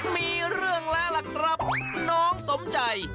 มีเรื่องแล้วล่ะครับน้องสมใจ